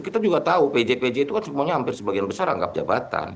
kita juga tahu pj pj itu kan semuanya hampir sebagian besar rangkap jabatan